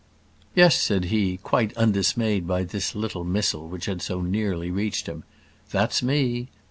"Yes," said he, quite undismayed by this little missile which had so nearly reached him: "that's me.